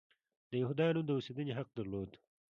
د یهودیانو د اوسېدنې حق درلود.